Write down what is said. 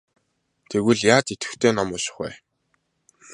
Тэгвэл яаж идэвхтэй ном унших вэ?